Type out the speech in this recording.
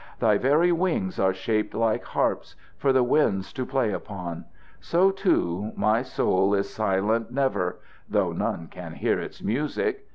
Thy very wings are shaped like harps for the winds to play upon. So, too, my soul is silent never, though none can hear its music.